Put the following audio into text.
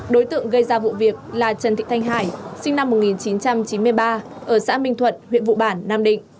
đối tượng gây ra vụ việc là trần thị thanh hải sinh năm một nghìn chín trăm chín mươi ba ở xã minh thuận huyện vụ bản nam định